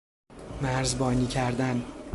مرزبانی کردن